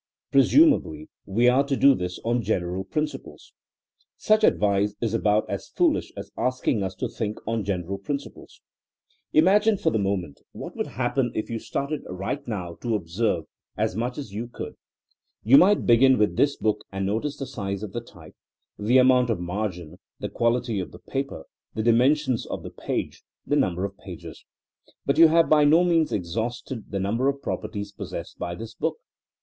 Presumably we are to do this on general prin ciples.'* Such advice is about as foolish as asking us to think on general principles. Imag ine for the moment what would happen if you started right now to *' observe as much as you could. You might begin with this book and no tice the size of the type, the amount of mar gin, the quality of the paper, the dimensions of tie page, the number of pages. But you have by no means exhausted the number of proper ties possessed by this book.